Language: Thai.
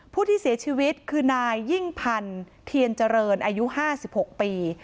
ผู้ที่เสียชีวิตคือนายเงิ่งพรรณเทียร์เจริญอายุห้าสิบหกปี